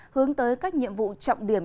hướng tới các nhiệm vụ trọng điểm